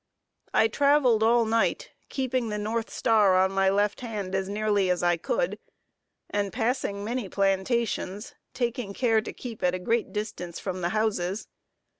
I traveled all night, keeping the north star on my left hand as nearly as I could, and passing many plantations, taking care to keep at a great distance from the houses.